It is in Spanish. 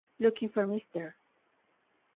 Looking for Mr.